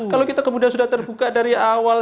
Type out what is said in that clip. kalau kita kemudian sudah terbuka dari awal